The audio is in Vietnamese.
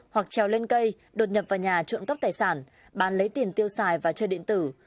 hoặc treo lên cây đột nhập vào nhà trộm cắp tài sản bán lấy tiền tiêu xài và chơi điện tử